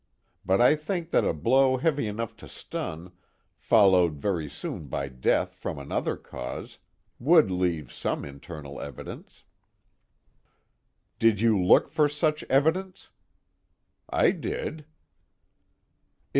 But I think that a blow heavy enough to stun, followed very soon by death from another cause, would leave some internal evidence." "Did you look for such evidence?" "I did."